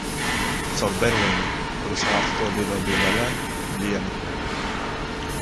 Caur Berlīni, kuras vārti tobrīd vēl bija vaļā... Diena.